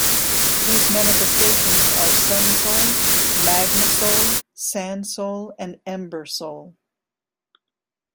These manifestations are Sunsoul, Magmasoul, Sandsoul, and Embersoul.